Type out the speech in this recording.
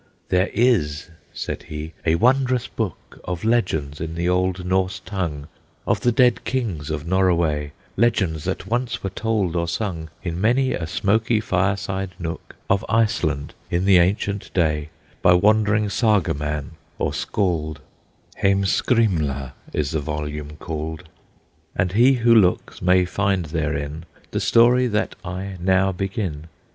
"There is," said he, "a wondrous book Of Legends in the old Norse tongue, Of the dead kings of Norroway, Legends that once were told or sung In many a smoky fireside nook Of Iceland, in the ancient day, By wandering Saga man or Scald; Heimskringla is the volume called; And he who looks may find therein The story that I now begin."